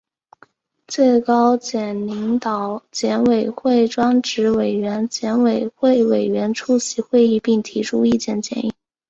最高检领导、检委会专职委员、检委会委员出席会议并提出意见建议